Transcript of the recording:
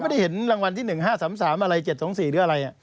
เขาไม่เห็นเลขน่ะก็ไม่ได้เห็นรางวัลที่๑๕๓๓อะไร๗๒๔หรืออะไร